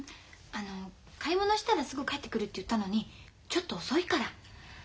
あの買い物したらすぐ帰ってくるって言ったのにちょっと遅いから。